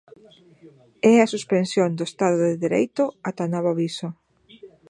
É a suspensión do Estado de Dereito, ata novo aviso.